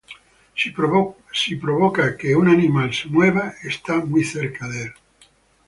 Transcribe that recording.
Si provoca que un animal se mueva, ¡está muy cerca de él!